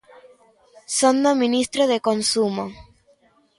Son do ministro de Consumo.